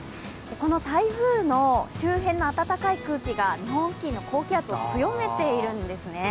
この台風の周辺の暖かい空気が日本付近の高気圧を強めているんですね。